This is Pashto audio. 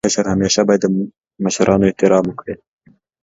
کشر همېشه باید د مشرانو احترام وکړي.